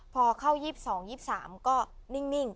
พอเข้า๒๒๒๒๓ก็นิ่ง